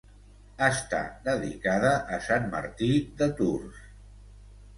Està dedicada a Sant Martí de Tours.